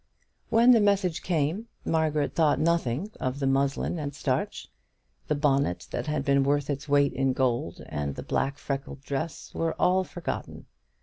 When the message came, Margaret thought nothing of the muslin and starch. The bonnet that had been worth its weight in gold, and the black freckled dress, were all forgotten.